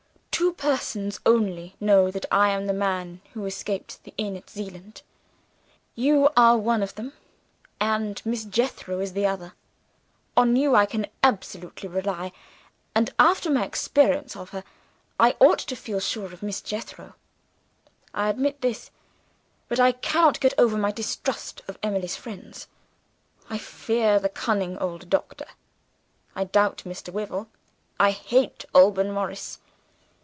Two persons only know that I am the man who escaped from the inn at Zeeland. You are one of them, and Miss Jethro is the other. On you I can absolutely rely; and, after my experience of her, I ought to feel sure of Miss Jethro. I admit this; but I cannot get over my distrust of Emily's friends. I fear the cunning old doctor; I doubt Mr. Wyvil; I hate Alban Morris.